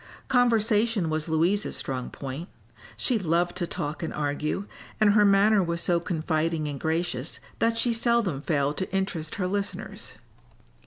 Conversation was Louise's strong point. She loved to talk and argue, and her manner was so confiding and gracious that she seldom failed to interest her listeners.